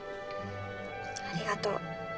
ありがとう。